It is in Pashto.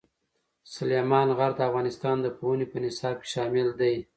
سلیمان غر د افغانستان د پوهنې په نصاب کې شامل دی.